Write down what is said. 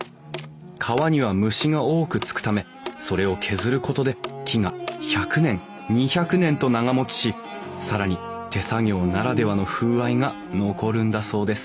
皮には虫が多くつくためそれを削ることで木が１００年２００年と長もちし更に手作業ならではの風合いが残るんだそうです